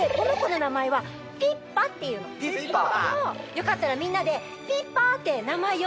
よかったらみんなでピッパって名前呼んでくれる？